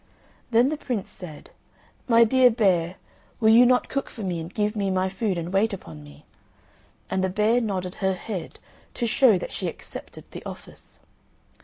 Then the Prince said, "My dear bear, will you not cook for me, and give me my food, and wait upon me?" and the bear nodded her head, to show that she accepted the office.